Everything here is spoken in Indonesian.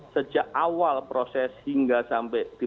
sejak awal proses hingga sampai